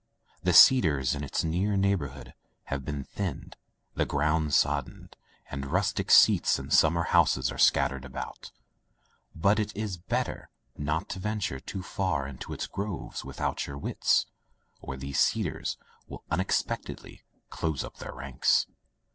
The cedars in its near neighborhood have been thinned, the ground sodded, and rustic seats and summer houses are scattered about. But it is better not to venture too far into its groves without your wits, or these cedars will unexpectedly close up their ranks.